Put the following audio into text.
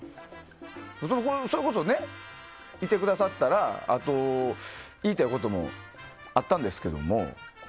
それこそ、いてくださったら言いたいこともあったんですけれども。